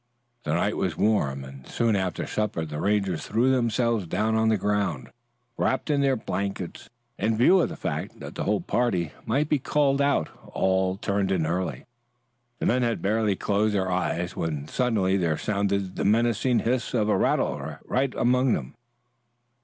The night was warm and soon after supper the Rangers threw themselves down on the ground wrapped in their blankets. In view of the fact that the whole party might be called out all turned in early. The men had barely closed their eyes when suddenly there sounded the menacing hiss of a rattler right among them.